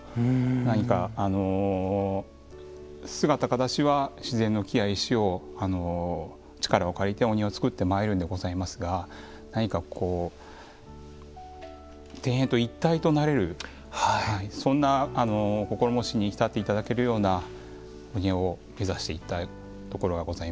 何か姿形は自然の木や石を力を借りてお庭をつくってまいるんでございますが何かこう庭園と一体となれるそんな心持ちに浸って頂けるようなお庭を目指していったところがございます。